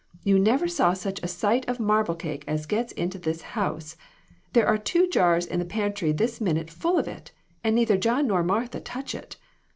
You never saw such a sight of marble cake as gets into this house ! There are two jars in the pantry this minute full of it; and neither John nor Martha touch it.